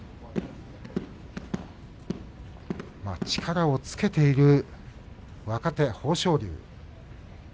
力をつけている若手、豊昇龍。